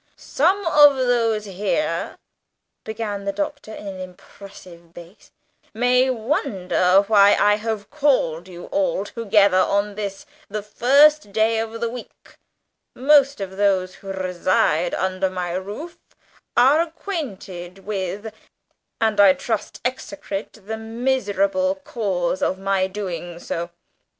"Some of those here," began the Doctor in an impressive bass, "may wonder why I have called you all together on this, the first day of the week; most of those who reside under my roof are acquainted with, and I trust execrate, the miserable cause of my doing so.